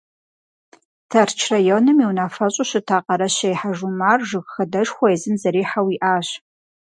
Тэрч районым и унафэщӏу щыта Къэрэщей Хьэжумар жыг хадэшхуэ езым зэрихьэу иӏащ.